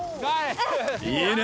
いいね。